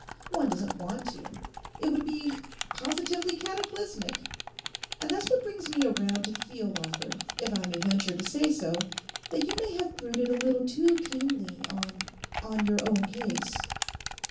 One doesn't want to. It would be positively cataclysmic. And that's what brings me around to feel, Lawford, if I may venture to say so, that you may have brooded a little too keenly on—on your own case.